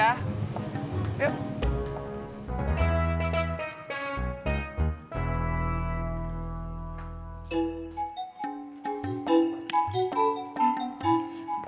aku mau ke jogja